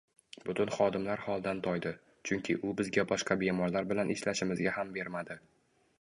Butun xodimlar holdan toydi, chunki u bizga boshqa bemorlar bilan ishlashimizga ham bermadi